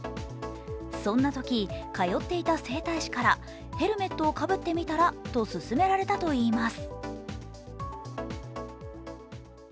そんなとき、通っていた整体師からヘルメットをかぶってみたらと勧められたといいます。